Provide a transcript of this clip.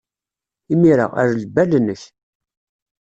Imir-a, err lbal-nnek.